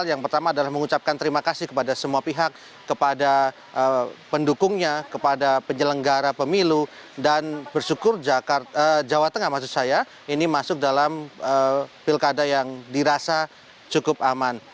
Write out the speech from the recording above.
bepertama adalah mengucapkan terima kasih kepada semua pihak kepada pendukungnya kepada penyelenggara pemilu dan bersyukur jawa tengah masuk dalam pilkada yang dirasa cukup aman